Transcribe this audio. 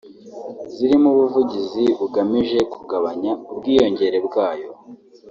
zirimo ubuvuzi bugamije kugabanya ubwiyongere bwayo